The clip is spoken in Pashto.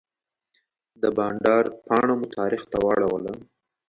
د بانډار پاڼه مو تاریخ ته واړوله.